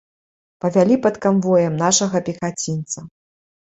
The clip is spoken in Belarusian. Павялі пад канвоем нашага пехацінца.